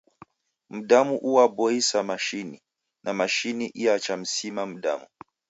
Mdamu uaboisa mashini, na mashini iachamsima mdamu!